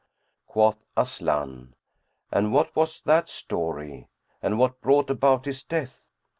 Quoth Aslan, "And what was that story, and what brought about his death?"